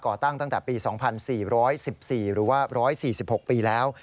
ตั้งแต่ปี๒๔๑๔หรือว่า๑๔๖ปีแล้ว